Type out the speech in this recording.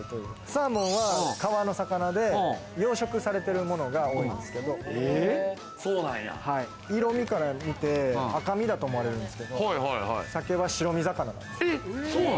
サーモンは川の魚で、養殖されているものが多いんですけど、色みからみて、赤身だと思われるんですけど、鮭は白身魚なんです。